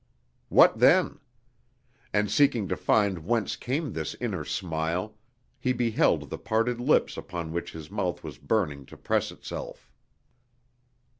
What then? And seeking to find whence came this inner smile he beheld the parted lips upon which his mouth was burning to press itself.